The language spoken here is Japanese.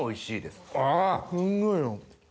すんごいよ。